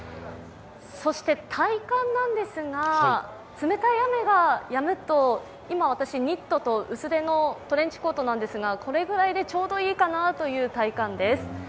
そして体感なんですが冷たい雨がやむと今、私、ニットと薄手のトレンチコートなんですがこれぐらいでちょうどいいかなという体感です。